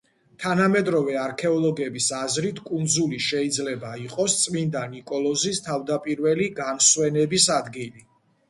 თანამედროვე არქეოლოგების აზრით, კუნძული შეიძლება იყოს წმინდა ნიკოლოზის თავდაპირველი განსვენების ადგილი.